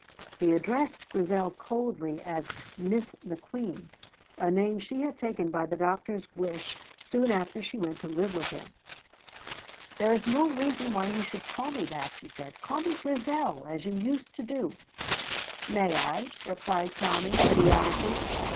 He addressed Grizel coldly as "Miss McQueen," a name she had taken by the doctor's wish soon after she went to live with him. "There is no reason why you should call me that," she said. "Call me Grizel, as you used to do." "May I?" replied Tommy, idiotically.